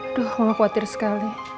aduh mama khawatir sekali